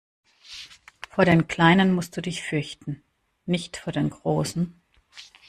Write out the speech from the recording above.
Vor den kleinen musst du dich fürchten, nicht vor den großen!